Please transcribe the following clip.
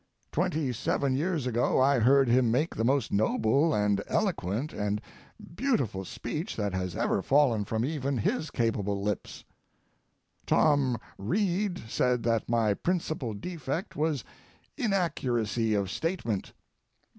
Twenty seven years ago, I heard him make the most noble and eloquent and beautiful speech that has ever fallen from even his capable lips. Tom Reed said that my principal defect was inaccuracy of statement.